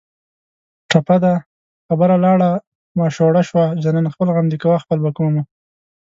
ټپه ده: خبره لاړه ماشوړه شوه جانانه خپل غم دې کوه خپل به کومه